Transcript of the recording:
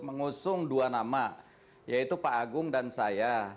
mengusung dua nama yaitu pak agung dan saya